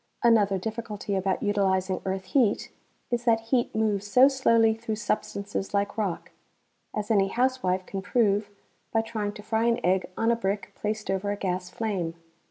Another difficulty about utilizing earth heat is that heat moves so slowly through substances like rock, as any housewife can prove by trying to fry an egg on a brick placed over a gas flame.